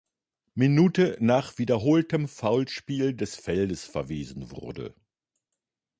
Minute nach wiederholtem Foulspiel des Feldes verwiesen wurde.